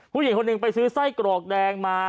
ผู้หญิงคนหนึ่งไปซื้อไส้กรอกแดงมา